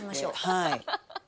はい。